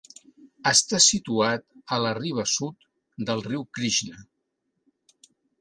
Està situat a la riba sud del riu Krishna.